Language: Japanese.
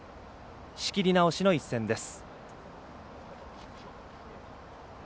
仕切り直しの一戦です。